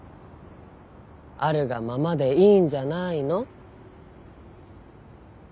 あるがままでいいんじゃないの？